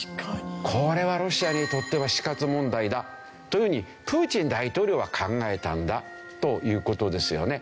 これはロシアにとっては死活問題だというふうにプーチン大統領は考えたんだという事ですよね。